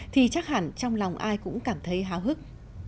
thì chắc hẳn trong lòng ai cũng cảm thấy háo hức